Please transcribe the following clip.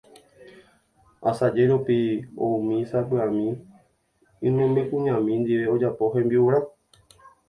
Asaje rupi oúmi sapy'ami imembykuñami ndive ojapo hembi'urã